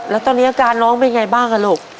แล้วตอนนี้อาการน้องเป็นไงบ้างลูก